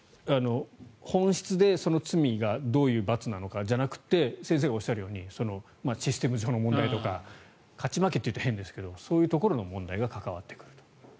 本質で罪がどういう罰なのかじゃなくて先生がおっしゃるようにシステム上の問題とか勝ち負けというと変ですがそういうところの問題が関わってくると。